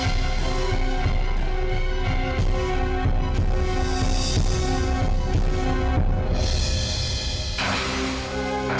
aku tak tahu apa yang kamu katakan